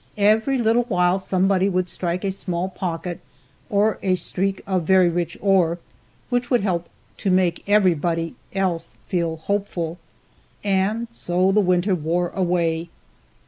Every little while somebody would strike a small pocket, or a streak of very rich ore, which would help to make everybody else feel hopeful. And so the winter wore away.